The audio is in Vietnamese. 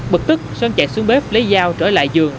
bực tức sơn chạy xuống bếp lấy dao trở lại giường